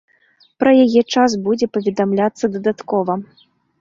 Пра яе час будзе паведамляцца дадаткова.